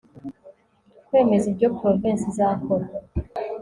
Kwemeza ibyo Provensi izakora